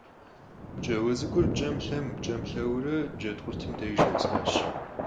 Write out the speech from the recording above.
ПкӀауэ цӀыкӀур пкӀэм-лъэм, пкӀэм-лъэурэ Джэд къуртым деж нэсащ.